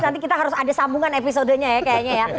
nanti kita harus ada sambungan episodenya ya kayaknya ya